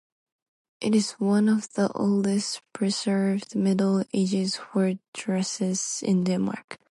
It is one of the oldest, preserved Middle Ages fortresses in Denmark.